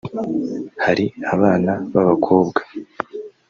Hari abana ba bakobwa